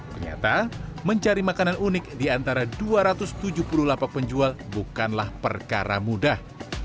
ternyata mencari makanan unik di antara dua ratus tujuh puluh lapak penjual bukanlah perkara mudah